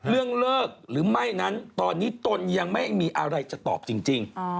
เรื่องเลิกหรือไม่นั้นตอนนี้ตนยังไม่มีอะไรจะตอบจริง